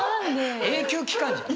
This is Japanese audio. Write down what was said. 永久機関じゃん。